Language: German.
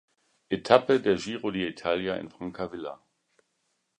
Etappe des Giro d’Italia in Francavilla.